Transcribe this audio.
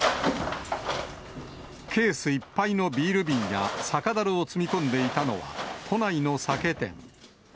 ケースいっぱいのビール瓶や酒だるを積み込んでいたのは、都内の酒店。